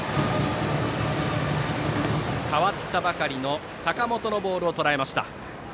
代わったばかりの坂本のボールをとらえました。